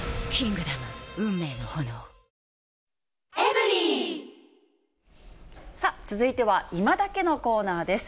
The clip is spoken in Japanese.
「メリット」さあ、続いてはいまダケッのコーナーです。